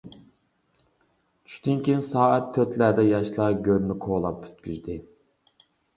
چۈشتىن كېيىن سائەت تۆتلەردە ياشلار گۆرنى كولاپ پۈتكۈزدى.